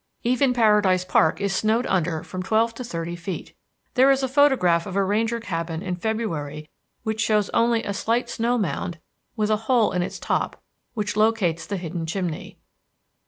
Even Paradise Park is snowed under from twelve to thirty feet. There is a photograph of a ranger cabin in February which shows only a slight snow mound with a hole in its top which locates the hidden chimney.